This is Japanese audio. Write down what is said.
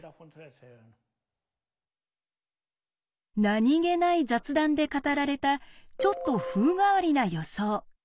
何気ない雑談で語られたちょっと風変わりな予想。